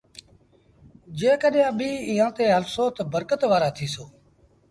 جيڪڏهينٚ اڀيٚنٚ ايٚئآنٚ تي هلسو تا برڪت وآرآ ٿيٚسو۔